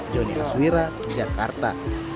joni aswira jakarta